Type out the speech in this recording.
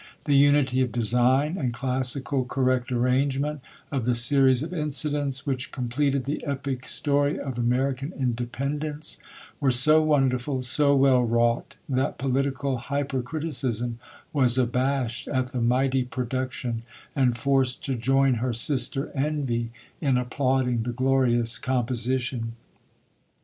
The unity of dej^ign and classical correct arrangement of the series of incidents, which completed the Epic story of American Independ ence, were so wonderful, so well wrought, that political Hypercriticism was abashed at the mighty production, and forced to join her sister Envy, in applauding the glorious composition.